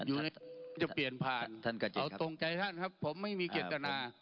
อยู่ในที่จะเปลี่ยนผ่านเอาตรงใจท่านครับผมไม่มีเกียรตินา